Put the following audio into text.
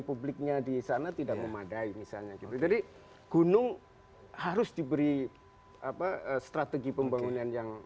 publiknya di sana tidak memadai misalnya jadi gunung harus diberi apa strategi pembangunan yang